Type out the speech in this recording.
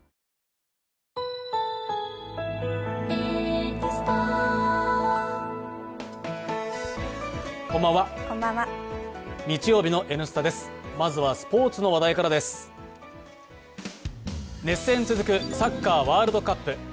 熱戦続くサッカーワールドカップ。